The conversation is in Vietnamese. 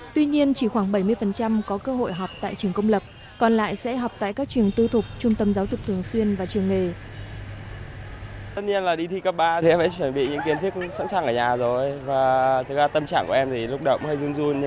tuy nhiên chỉ khoảng bảy mươi có cơ hội học tại trường công lập còn lại sẽ học tại các trường tư thục trung tâm giáo dục thường xuyên và trường nghề